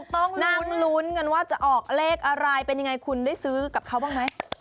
ลุ้นกันว่าจะออกเลขอะไรเป็นยังไงคุณได้ซื้อกับเขาบ้างไหม